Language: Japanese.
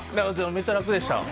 めっちゃ楽でした。